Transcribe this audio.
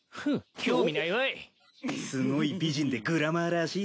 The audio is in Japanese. すごい美人でグラマーらしいぞ。